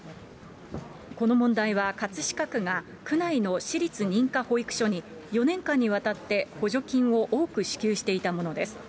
この問題は、葛飾区が区内の私立認可保育所に、４年間にわたって、補助金を多く支給していたものです。